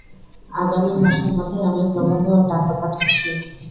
আগামী মাসের মধ্যেই আমি প্রবন্ধ ও টাকা পাঠাচ্ছি।